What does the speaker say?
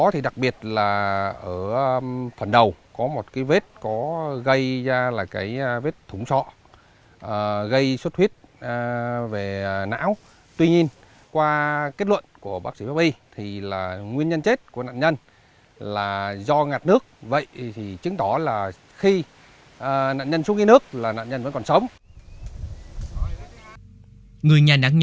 thì đối tượng này thì cũng là ở gần nhà nạn nhân